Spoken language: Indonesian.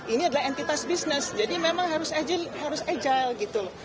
ini adalah entitas bisnis jadi memang harus agile gitu loh